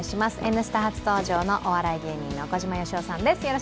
「Ｎスタ」初登場のお笑い芸人の小島よしおさんです。